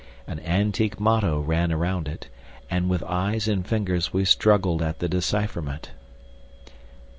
An antique motto ran round it, and with eyes and fingers we struggled at the decipherment.